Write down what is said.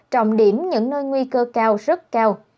trọng điểm những nơi nguy cơ cao rất cao